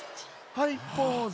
「はいポーズ」